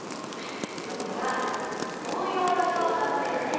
それが紅葉だそうなんですね。